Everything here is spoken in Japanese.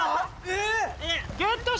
えっ！？